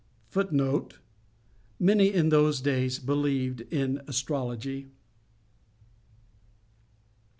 Many, in those days, believed in astrology.